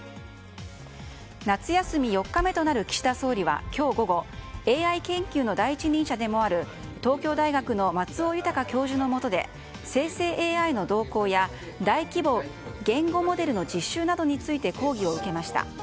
夏休み４日目となる岸田総理は今日午後ＡＩ研究の第一人者でもある東京大学の松尾豊教授のもとで生成ＡＩの動向や大規模言語モデルの実習などについて講義を受けました。